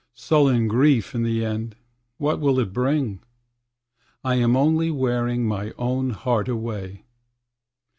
Sullen grief, in the end, what will it bring? I am only wearing my own heart away.